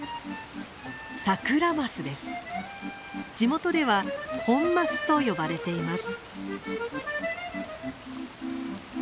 地元ではホンマスと呼ばれています。